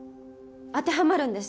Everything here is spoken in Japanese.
当てはまるんです。